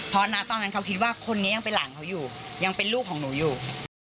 เพราะณตอนนั้นเขาคิดว่าคนนี้ยังเป็นหลานเขาอยู่ยังเป็นลูกของหนูอยู่